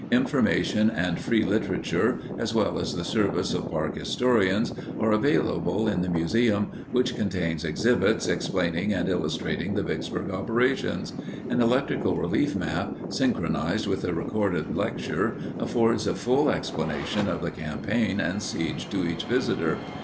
Information and free literature, as well as the service of park historians, are available in the museum which contains exhibits explaining and illustrating the Vicksburg operations. An electrical relief map synchronized with a recorded lecture affords a full explanation of the campaign and siege to each visitor.